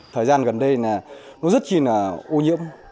thời gian gần đây nó rất chi là ô nhiễm